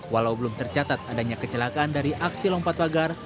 walau belum tercatat adanya kecelakaan dari aksi lompat pagar